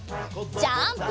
ジャンプ！